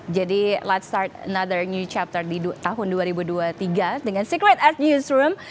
jadi mari kita mulai chapter baru di tahun dua ribu dua puluh tiga dengan secret art newsroom